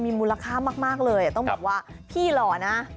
มูลค่ามากเลยต้องบอกว่าพี่หล่อนะ